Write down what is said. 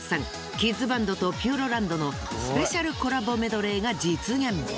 キッズバンドとピューロランドのスペシャルコラボメドレーが実現。